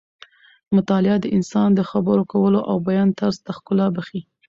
مطالعه د انسان د خبرو کولو او بیان طرز ته ښکلا بښي.